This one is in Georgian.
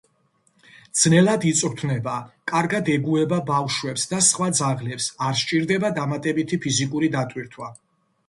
ძნელად იწვრთნება, კარგად ეგუება ბავშვებს და სხვა ძაღლებს, არ სჭირდება დამატებითი ფიზიკური დატვირთვა.